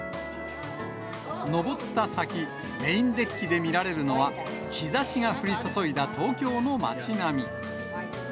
上った先、メインデッキで見られるのは、日ざしが降り注いだ東京の街並み。